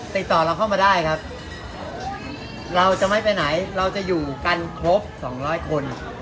ติดต่อเราเข้ามาได้ครับเราจะไม่ไปไหนเราจะอยู่กันครบ๒๐๐คน